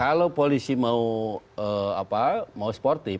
kalau polisi mau sportif